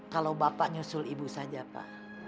kalau bapak nyusul ibu saja pak